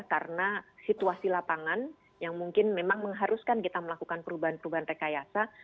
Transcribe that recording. karena situasi lapangan yang mungkin memang mengharuskan kita melakukan perubahan perubahan rekayasa